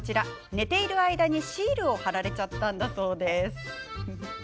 寝ている間にシールを貼られちゃったんだそうです。